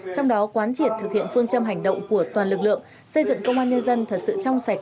trong đó quán triệt thực hiện phương châm hành động của toàn lực lượng xây dựng công an nhân dân thật sự trong sạch